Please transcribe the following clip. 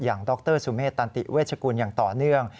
ดรสุเมษตันติเวชกุลอย่างต่อเนื่อง